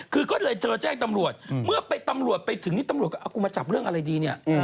คือก็เลยเจอแจ้งตำรวจเมื่อตำรวจไปถึงนี่ตำรวจก็เอากูมาจับเรื่องอะไรดีเนี่ย